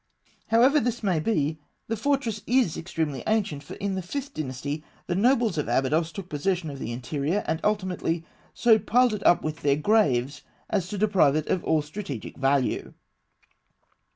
However this may be, the fortress is extremely ancient, for in the Fifth Dynasty, the nobles of Abydos took possession of the interior, and, ultimately, so piled it up with their graves as to deprive it of all strategic value.